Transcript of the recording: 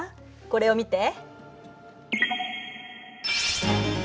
これを見て。